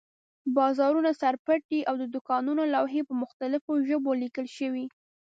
بازارونه سر پټ دي او د دوکانونو لوحې په مختلفو ژبو لیکل شوي.